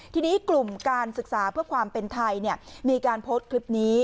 ทีนี้กลุ่มการศึกษาเพื่อความเป็นไทยมีการโพสต์คลิปนี้